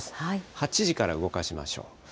８時から動かしましょう。